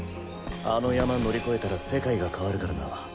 あの山乗り越えたら世界が変わるからな。